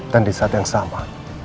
dan di saat yang sama